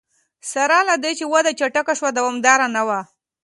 سره له دې چې وده چټکه شوه دوامداره نه وه.